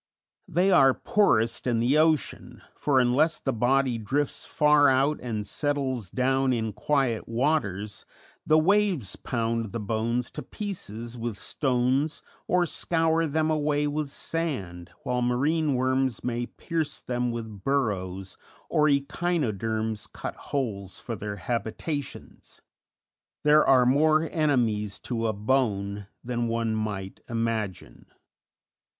They are poorest in the ocean, for unless the body drifts far out and settles down in quiet waters, the waves pound the bones to pieces with stones or scour them away with sand, while marine worms may pierce them with burrows, or echinoderms cut holes for their habitations; there are more enemies to a bone than one might imagine.